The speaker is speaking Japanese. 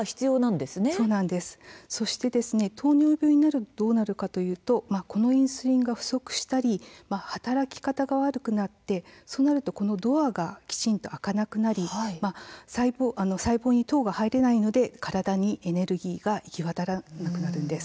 そして糖尿病になるとどうなるかというとこのインスリンが不足したり働き方が悪くなってそうなるとこのドアがきちんと開かなくなり細胞に糖が入れないので体にエネルギーが行き渡らなくなるんです。